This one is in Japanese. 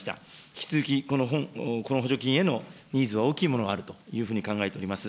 引き続き、この補助金へのニーズは大きいものがあるというふうに考えております。